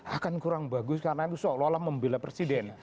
akan kurang bagus karena itu seolah olah membela presiden